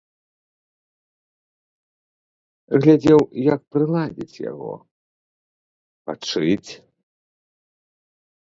Глядзеў, як прыладзіць яго, падшыць.